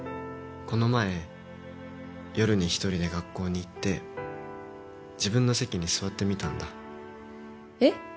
この前夜に１人で学校に行って自分の席に座ってみたんだえっ？